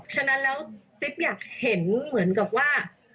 ฉะนั้นแล้วติ๊กอยากเห็นเหมือนกับว่า